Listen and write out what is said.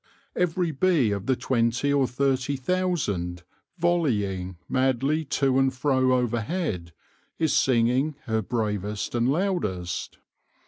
Every bee of the twenty or thirty thousand volleying madly to and fro overhead, is singing her bravest and loudest.